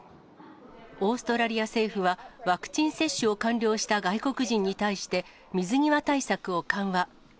オーストラリア政府は、ワクチン接種を完了した外国人に対して、水際対策を緩和。